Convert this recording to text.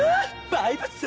バイブス！